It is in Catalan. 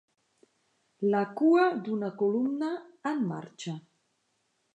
La cua d'una columna en marxa.